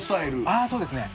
ああそうですね。